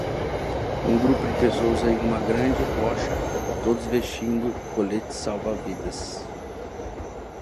Um grupo de pessoas em uma grande rocha todos vestindo coletes salva-vidas.